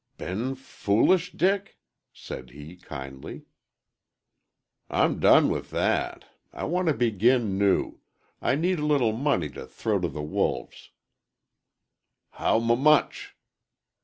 "Been f foolish, Dick?" said he, kindly. "I'm done with that. I want to begin new. I need a little money to throw to the wolves." "How m much?"